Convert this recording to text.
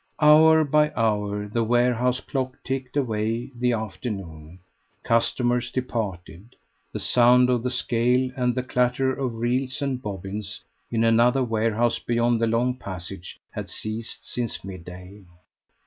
Hour by hour the warehouse clock ticked away the afternoon. Customers departed; the sound of the scale and the clatter of reels and bobbins, in another warehouse beyond the long passage, had ceased since midday.